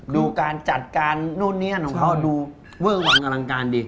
ดูการจัดการนู่นนี้ของเขาดูเวิร์คหวังกำลังการดี